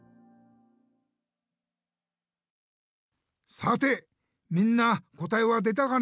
さてみんな答えは出たかな？